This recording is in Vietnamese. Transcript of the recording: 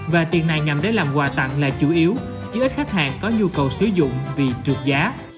và tiền này nhằm để làm quà tặng là chủ yếu chứ ít khách hàng có nhu cầu sử dụng vì trượt giá